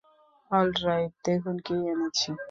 Alright, দেখুন কি এনেছি।